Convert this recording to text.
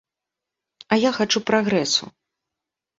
А я хачу прагрэсу.